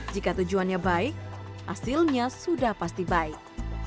jika tujuannya baik hasilnya sudah pasti baik